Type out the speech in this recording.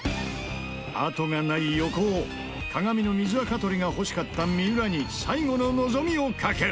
あとがない横尾鏡の水アカ取りが欲しかった三浦に最後の望みを懸ける！